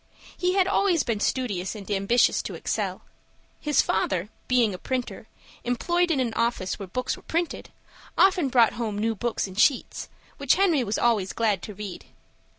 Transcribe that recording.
He had always been studious and ambitious to excel. His father, being a printer, employed in an office where books were printed, often brought home new books in sheets, which Henry was always glad to read.